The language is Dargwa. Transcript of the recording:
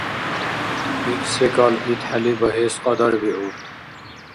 Ил секӀал итхӀели багьес кьадарбиуб.